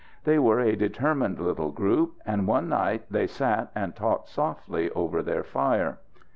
They were a determined little group, and one night they sat and talked softly over their fire.